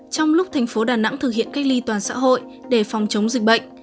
trong lúc thành phố đà nẵng thực hiện cách ly toàn xã hội để phòng chống dịch bệnh